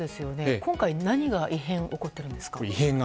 今回、何が異変が起こっているんですか？